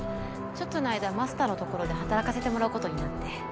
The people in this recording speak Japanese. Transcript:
ちょっとの間マスターの所で働かせてもらうことになって。